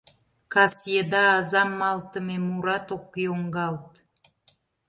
Кас еда азам малтыме мурат ок йоҥгалт.